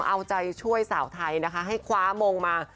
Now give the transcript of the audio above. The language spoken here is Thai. เอาใจช่วยสาวไทยนะคะให้คว้ามงมา